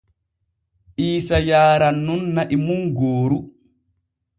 Iisa yaaran nun na’i mum gooru.